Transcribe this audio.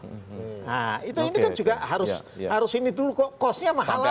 nah itu ini kan juga harus ini dulu kok costnya mahal amat gitu loh